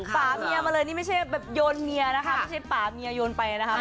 ป่าเมียมาเลยนี่ไม่ใช่แบบโยนเมียนะคะไม่ใช่ป่าเมียโยนไปนะคะ